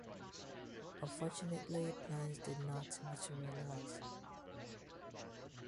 Unfortunately, plans did not materialize.